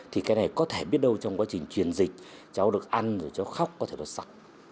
thì cái này có thể biết đâu trong quá trình truyền dịch cháu được ăn rồi cháu khóc có thể là sắc